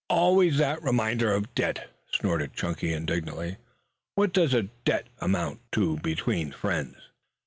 "Always that reminder of debt!" snorted Chunky indignantly. "What does a debt amount to between friends?"